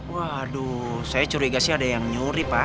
waduh saya curiga sih ada yang nyuri pak